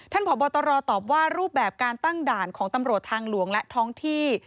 พบตรตอบว่ารูปแบบการตั้งด่านของตำรวจทางหลวงและท้องที่